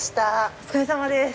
お疲れさまです。